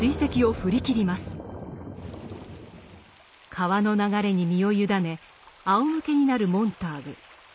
川の流れに身を委ねあおむけになるモンターグ。